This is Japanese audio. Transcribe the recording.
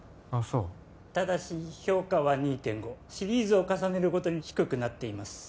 そうただし評価は２．５シリーズを重ねるごとに低くなっています